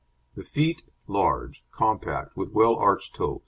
The feet large, compact, with well arched toes.